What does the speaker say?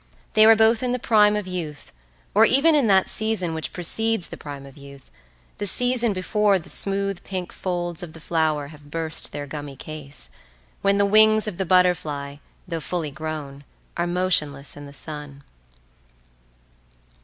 They were both in the prime of youth, or even in that season which precedes the prime of youth, the season before the smooth pink folds of the flower have burst their gummy case, when the wings of the butterfly, though fully grown, are motionless in the sun.